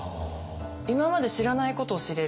今まで知らないことを知れる。